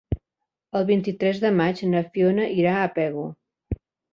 El vint-i-tres de maig na Fiona irà a Pego.